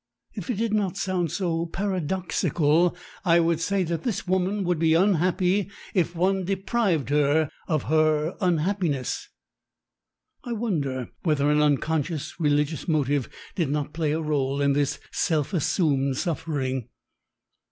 If it did not sound so paradoxical, I would say that this woman would be unhappy if one deprived her of her unhappiness. I wonder whether an unconscious religious motive did not play a role in this self assumed suffering.